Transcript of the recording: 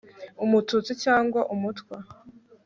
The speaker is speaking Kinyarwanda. umututsi cyangwa umutwa